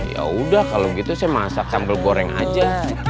ya udah kalau gitu saya masak sambal goreng aja